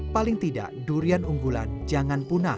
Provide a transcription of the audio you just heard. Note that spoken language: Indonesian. paling tidak durian unggulan jangan punah